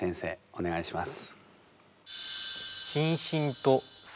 お願いします。